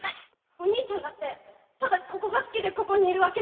お兄ちゃんだってただここが好きでここにいるわけでしょう？